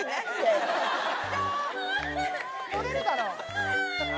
とれるだろ。